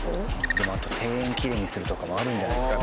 あと庭園きれいにするとかもあるんじゃないですか？